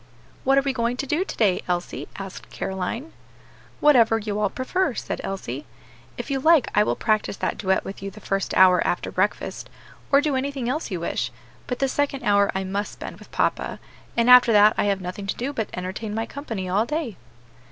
"What are we going to do to day, Elsie?" asked Caroline. "Whatever you all prefer," said Elsie. "If you like I will practice that duet with you the first hour after breakfast, or do anything else you wish; but the second hour I must spend with papa, and after that I have nothing to do but entertain my company all day."